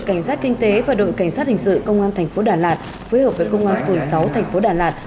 công an tinh tế và đội cảnh sát hình sự công an thành phố đà lạt phối hợp với công an phường sáu thành phố đà lạt